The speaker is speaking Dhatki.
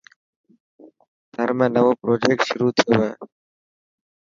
ٿر ۾ نوو پروجيڪٽ شروع ٿيو هي.